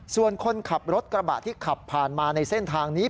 ส่วนคนขับรถกระบะที่ขับผ่านมาในเส้นทางนี้